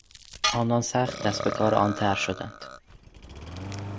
آنان سخت دست به کار آن طرح شدند.